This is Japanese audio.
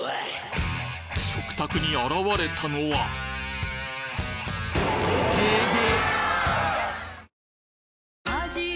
食卓に現れたのはげげ！